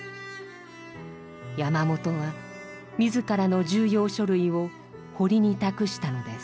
山本は自らの重要書類を堀に託したのです。